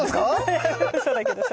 いやうそだけどさ。